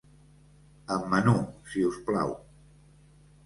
Amb menú, si us plau.